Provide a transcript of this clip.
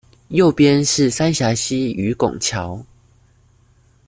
右邊是三峽溪與拱橋